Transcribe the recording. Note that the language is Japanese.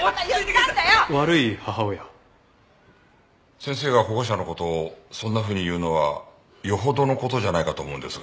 先生が保護者の事をそんなふうに言うのはよほどの事じゃないかと思うんですが。